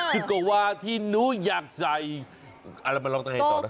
ชุดโกวาที่หนูอยากใส่เอาล่ะมาร้องตัวให้ต่อนะ